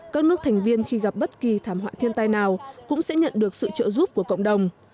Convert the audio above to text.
các nước thành viên khi gặp bất kỳ thảm họa thiên tai nào cũng sẽ nhận được sự trợ giúp của cộng đồng